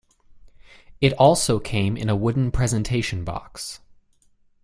It also came in a wooden presentation box.